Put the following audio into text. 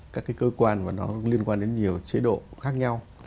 các cái cơ quan mà nó liên quan đến nhiều chế độ khác nhau